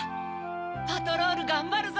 パトロールがんばるぞ！